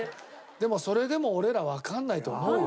でもそれでも俺らわからないと思うよ。